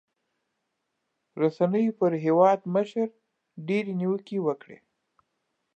رسنيو پر هېوادمشر ډېرې نیوکې وکړې.